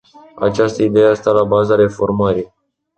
Această idee a stat la baza reformării.